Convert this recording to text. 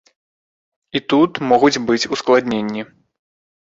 І тут могуць быць ускладненні.